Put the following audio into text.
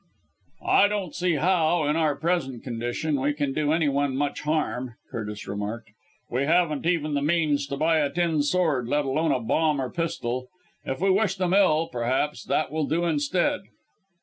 "I don't see how in our present condition we can do any one much harm," Curtis remarked. "We haven't even the means to buy a tin sword, let alone a bomb or pistol. If we wish them ill, perhaps, that will do instead."